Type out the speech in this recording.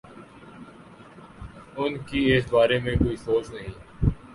ان کی اس بارے میں کوئی سوچ نہیں؟